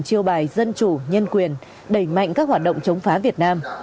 chiêu bài dân chủ nhân quyền đẩy mạnh các hoạt động chống phá việt nam